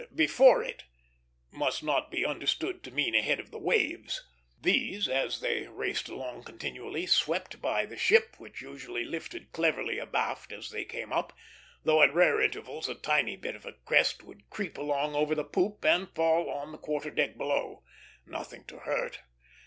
"Before it" must not be understood to mean ahead of the waves. These, as they raced along continually, swept by the ship, which usually lifted cleverly abaft as they came up; though at rare intervals a tiny bit of a crest would creep along over the poop and fall on the quarter deck below nothing to hurt.